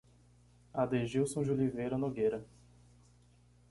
Adegilson de Oliveira Nogueira